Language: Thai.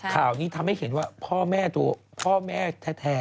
ข่าวนี้ทำให้เห็นว่าพ่อแม่พ่อแม่แท้